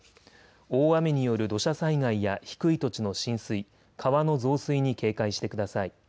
大雨による土砂災害や低い土地の浸水、川の増水に警戒してください。